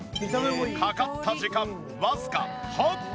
かかった時間わずか８分。